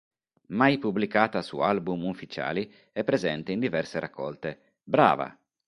Mai pubblicata su album ufficiali, è presente in diverse raccolte: "Brava!